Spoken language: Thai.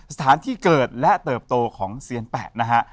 สถานที่เกิดและเติบโตของเซียนแปะนะฮะ